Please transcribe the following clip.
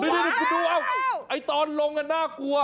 ดูไอ้ตอนลงน่ากลัว